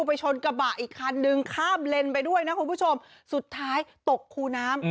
ไปชนกระบะอีกคันนึงข้ามเลนไปด้วยนะคุณผู้ชมสุดท้ายตกคูน้ำ